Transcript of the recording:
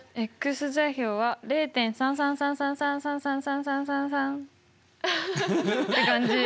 座標は０．３３３３３３。って感じ。